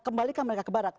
kembalikan mereka ke barak